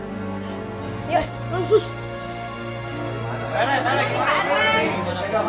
selamat tinggal pak erwang